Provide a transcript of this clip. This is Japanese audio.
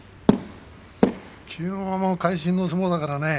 きのう会心の相撲だからね